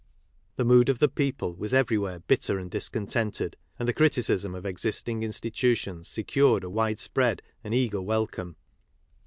The mood of the people was every where bitter and discontented; and the criticism of exist ing institutions secured a widespread and eager welcome.